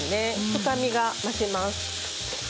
深みが増します。